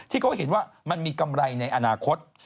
ที่เขาเห็นว่ามันมีกำไรในอนาคต